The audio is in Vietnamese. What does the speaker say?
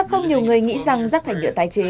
nhưng rất nhiều người nghĩ rằng rác thải nhựa tài chế